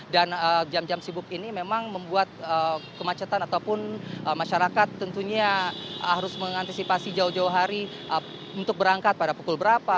dan jam jam sibuk ini memang membuat kemacetan ataupun masyarakat tentunya harus mengantisipasi jauh jauh hari untuk berangkat pada pukul berapa